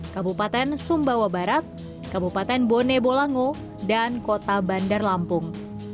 kabupaten sumbawa barat kabupaten bone bolango dan kota bandar lampung